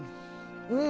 うん！